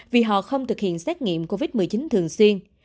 vì họ không thực hiện xét nghiệm covid một mươi chín thường xuyên